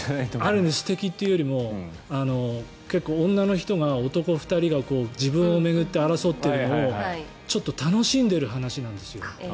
あの歌、素敵というよりも結構、女の人を男２人が自分を巡って争っているのをちょっと楽しんでる話なんですよ。